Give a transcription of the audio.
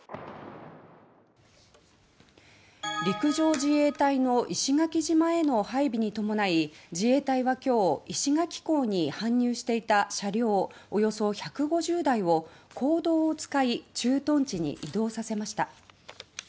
陸上自衛隊の石垣島への配備に伴い自衛隊は今日石垣港に搬入していた車両およそ１５０台を公道を使い駐屯地に移動させました。